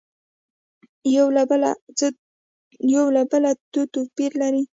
یو له بله تو پیر لري